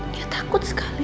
dia takut sekali